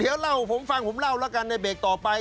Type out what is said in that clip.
เดี๋ยวเล่าให้ผมฟังผมเล่าแล้วกันในเบรกต่อไป